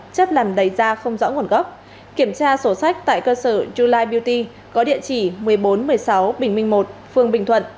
chất làm đầy da không rõ nguồn gốc kiểm tra sổ sách tại cơ sở july beauty có địa chỉ một nghìn bốn trăm một mươi sáu bình minh một phường bình thuận